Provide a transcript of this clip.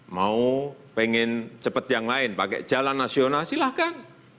mau pengen cepat yang lain pakai jalan nasional silahkan